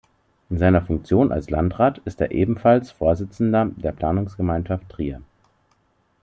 In seiner Funktion als Landrat ist er ebenfalls Vorsitzender der Planungsgemeinschaft Trier.